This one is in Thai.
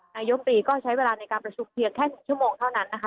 นายมตรีก็ใช้เวลาในการประชุมเพียงแค่๑ชั่วโมงเท่านั้นนะคะ